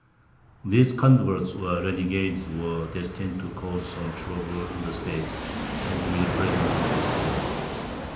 These converts or renegades were destined to cause some trouble in the State, as will presently be seen.